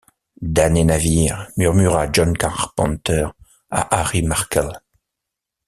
Damné navire! murmura John Carpenter à Harry Markel.